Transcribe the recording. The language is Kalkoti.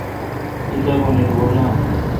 کتابونی دور نام۔